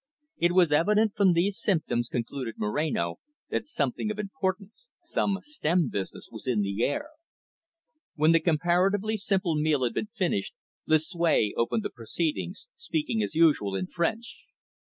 It was evident from these symptoms, concluded Moreno, that something of importance, some stern business was in the air. When the comparatively simple meal had been finished; Lucue opened the proceedings, speaking as usual in French.